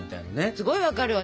すごい分かるわ。